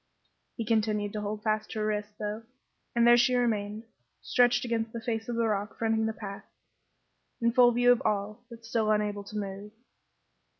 He continued to hold fast to her wrists, though, and there she remained, stretched against the face of the rock fronting the path, in full view of all, but still unable to move.